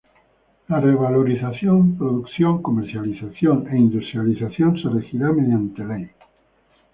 La revalorización, producción, comercialización e industrialización se regirá mediante la ley.